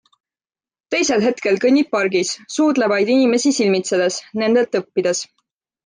Teisel hetkel kõnnib pargis, suudlevaid inimesi silmitsedes, nendelt õppides.